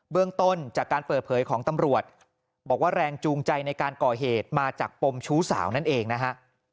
เรื่องต้นจากการเปิดเผยของตำรวจบอกว่าแรงจูงใจในการก่อเหตุมาจากปมชู้สาวนั่นเองนะฮะ